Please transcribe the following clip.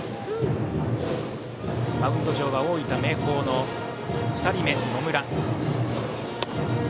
マウンド上は大分・明豊の２人目、野村。